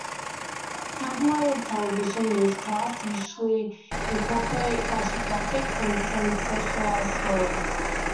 Tabloid television newscasts usually incorporate flashy graphics and sensationalized stories.